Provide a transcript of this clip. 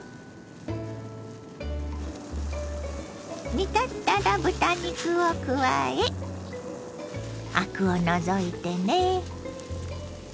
煮立ったら豚肉を加えアクを除いてね。